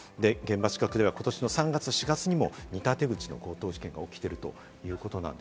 現場近くでは今年３月、４月にも似た手口の強盗事件も起きています。